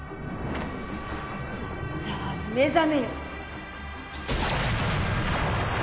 さあ目覚めよ！